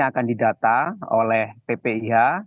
akan didata oleh ppih